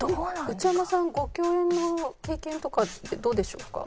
内山さんご共演の経験とかってどうでしょうか？